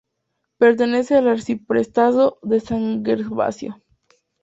Pertenece al arciprestazgo de San Gervasio.